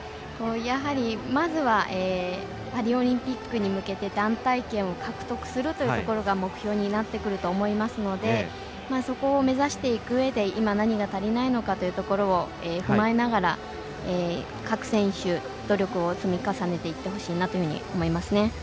やはり、まずはパリオリンピックに向けて団体権を獲得するというところが目標になってくると思いますのでそこを目指していくうえで今、何が足りないのかというところを踏まえながら各選手努力を積み重ねていってほしいなと思いますね。